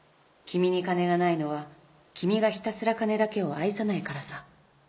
「君に金がないのは君がひたすら金だけを愛さないからさ」